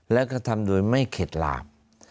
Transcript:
แล้วก็ทำโดยไม่เข็ดหลาม